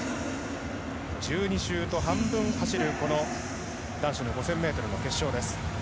１２周と半分走る男子の５０００ｍの決勝。